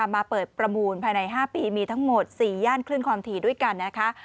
มาเปิดประมูลภายใน๕ปีมีทั้งหมด๔ย่านคลื่นความถี่ด้วยกันนะคะ